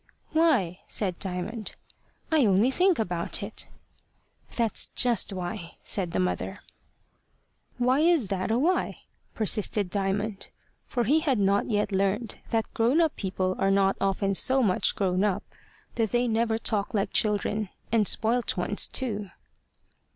"Why?" said Diamond. "I only think about it." "That's just why," said the mother. "Why is that why?" persisted Diamond, for he had not yet learned that grown up people are not often so much grown up that they never talk like children and spoilt ones too.